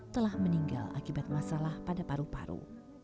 telah meninggal akibat masalah pada paru paru